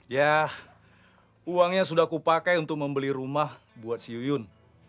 ya uangnya sudah kupakai untuk membeli rumah buat si yuyun